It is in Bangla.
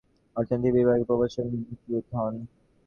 তিনি বহরমপুর কলেজের ইতিহাস ও অর্থনীতি বিভাগের প্রভাষক নিযুক্ত হন।